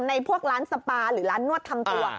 พวกร้านสปาหรือร้านนวดทำตัว